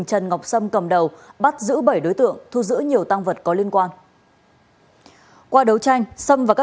hãy đăng ký kênh để ủng hộ kênh của chúng mình nhé